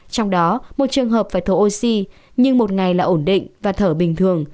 trong đó một trường hợp phải thở oxy nhưng một ngày là ổn định và thở bình thường